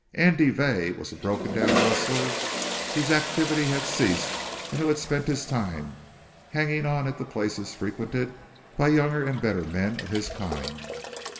Andy Vey was a broken down rustler whose activity had ceased and who spent his time hanging on at the places frequented by younger and better men of his kind.